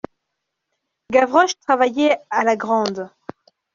Gavroche travaillait à la grande.